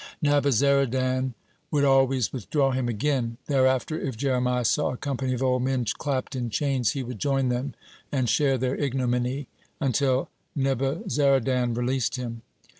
Nebuzaradan would always withdraw him again. Thereafter if Jeremiah saw a company of old men clapped in chains, he would join them and share their ignominy, until Nebuzaradan released him.